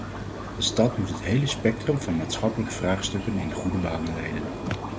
De stad moet het hele spectrum van maatschappelijke vraagstukken in goede banen leiden.